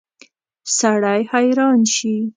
سړی حیران شي.